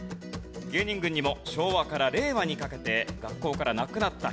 芸人軍にも昭和から令和にかけて学校からなくなった・